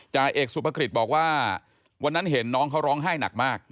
จ่าเอกสุภกิจบอกว่าวันนั้นเห็นน้องเขาร้องไห้หนักมาก